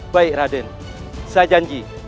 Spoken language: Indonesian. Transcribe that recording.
baik raden saya janji